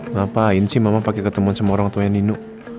ngapain sih mama pake ketemuan sama orang tua yang nino